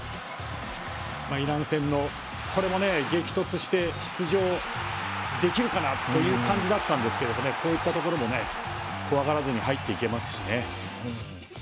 イラン戦でも、激突して出場できるかな？という感じでしたがこういったところも怖がらずに入っていけますしね。